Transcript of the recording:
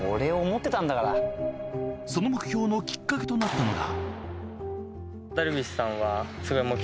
その目標のきっかけとなったのが。